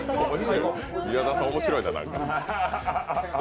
宮澤さん、面白いな、なんか。